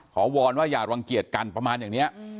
วอนว่าอย่ารังเกียจกันประมาณอย่างนี้